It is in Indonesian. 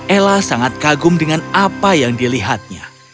ella sangat kagum dengan apa yang dilihatnya